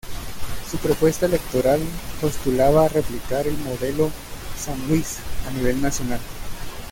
Su propuesta electoral postulaba replicar el modelo "San Luis" a nivel nacional.